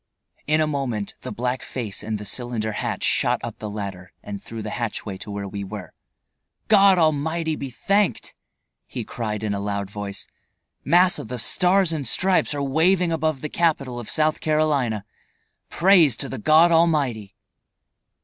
In a moment the black face and the cylinder hat shot up the ladder and through the hatch way to where we were. "God Almighty be thanked!" he cried in a loud voice. "Massa, the Stars and Stripes are waving above the capital of South Carolina. Praise to the God Almighty!"